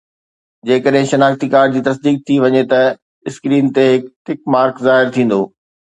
جيڪڏهن شناختي ڪارڊ جي تصديق ٿي وڃي ته اسڪرين تي هڪ ٽڪ مارڪ ظاهر ٿيندو